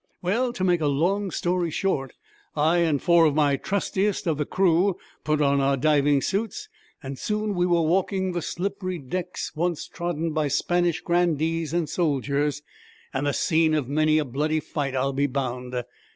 'Well, to make a long story short, I and four of the trustiest of the crew put on our diving suits, and soon we were walking the slippery decks once trodden by Spanish grandees and soldiers, and the scene of many a bloody fight, I'll be bound.